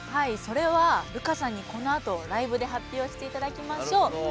それはルカさんにこのあとライブで発表していただきましょう。